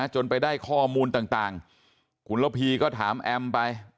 จนไปได้ข้อมูลต่างคุณระพีก็ถามแอมไป